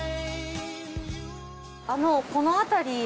あのこのあたり